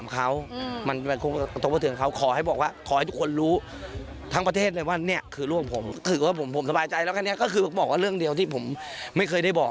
ค่านะคะก็ตอบดีนะ